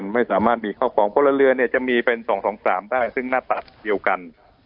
ไม่สามารถมีข้าวของพลเรือเนี่ยจะมีเป็น๒๒๓ได้ซึ่งหน้าตักเดียวกัน